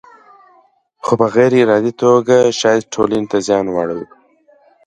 خو په غیر ارادي توګه شاید ټولنې ته زیان واړوي.